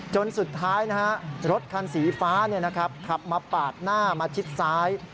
จนสุดท้ายรถคันสีฟ้าขับมาปาดหน้ามาชิดซ้าย